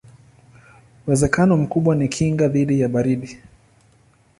Uwezekano mkubwa ni kinga dhidi ya baridi.